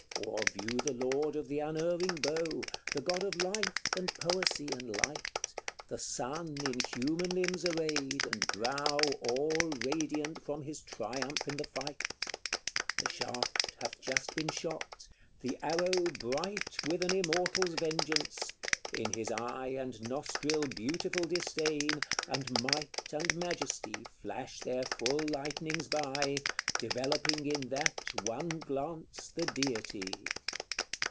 CLXI. Or view the Lord of the unerring bow, The God of life, and poesy, and light The Sun in human limbs arrayed, and brow All radiant from his triumph in the fight; The shaft hath just been shot the arrow bright With an immortal's vengeance; in his eye And nostril beautiful disdain, and might And majesty, flash their full lightnings by, Developing in that one glance the Deity.